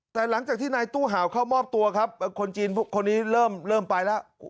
แต่หลังจากที่นายตู้ห่าวเข้ามอบตัวครับคนจีนคนนี้เริ่มไปแล้ว